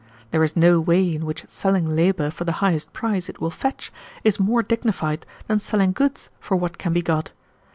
There is no way in which selling labor for the highest price it will fetch is more dignified than selling goods for what can be got.